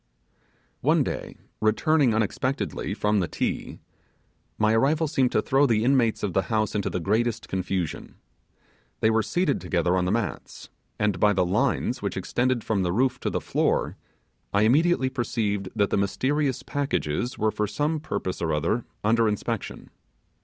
One day, returning unexpectedly from the 'Ti', my arrival seemed to throw the inmates of the house into the greatest confusion. They were seated together on the mats, and by the lines which extended from the roof to the floor I immediately perceived that the mysterious packages were for some purpose or another under inspection.